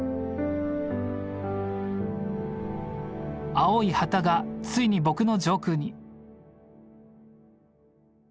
青い旗がついに僕の上空に。